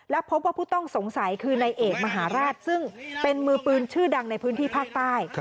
และพบว่าผู้ต้องสงสัยคือนายเอกมหาราชซึ่งเป็นมือปืนชื่อดังในพื้นที่ภาคใต้